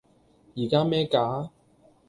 依家咩價?